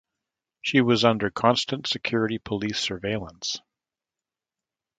He was under constant security police surveillance.